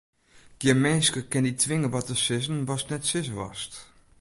Gjin minske kin dy twinge wat te sizzen watst net sizze wolst.